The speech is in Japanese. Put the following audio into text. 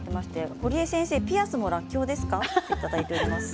ほりえ先生、ピアスもらっきょうですか？といただいています。